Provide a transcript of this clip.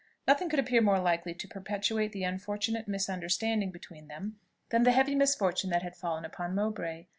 Nothing could appear more likely to perpetuate the unfortunate misunderstanding between them than the heavy misfortune that had fallen upon Mowbray.